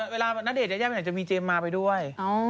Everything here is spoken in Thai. เวลานาเดชน์ยาย่าไปไหนจะมีเจมมาไปด้วย